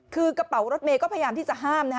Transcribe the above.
คือกระเป๋ารถเมย์ก็พยายามที่จะห้ามนะฮะ